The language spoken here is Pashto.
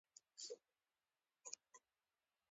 بیا یې هم بکس یا کڅوړه له پیسو ډکه وي